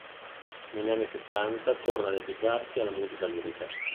Negli anni settanta torna a dedicarsi alla musica lirica.